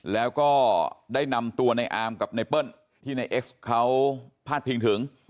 แล้วก็ได้นำตัวในอามกับไนเปิ้ลที่ในเอ็กซ์เขาพาดพิงถึง